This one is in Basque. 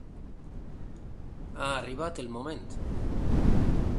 Ha arribat el moment.